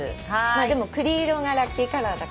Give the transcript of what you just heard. でも栗色がラッキーカラーだから。